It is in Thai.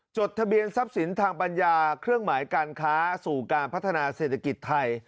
จดทะเบียนทรัพย์สินทางปัญญาเครื่องหมายการค้าสู่การพัฒนาเศรษฐกิจไทย